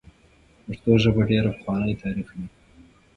پښتو ژبه ډېر پخوانی تاریخ لري.